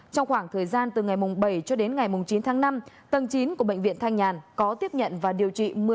trong khoảng thời gian từ ngày bảy cho đến ngày chín tháng năm tầng chín của bệnh viện thanh nhàn có tiếp nhận và điều trị